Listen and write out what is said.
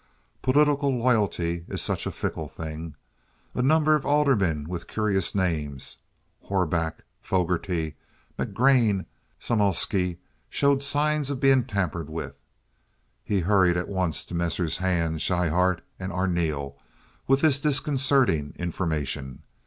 Political loyalty is such a fickle thing. A number of aldermen with curious names—Horback, Fogarty, McGrane, Sumulsky—showed signs of being tampered with. He hurried at once to Messrs. Hand, Schryhart, and Arneel with this disconcerting information.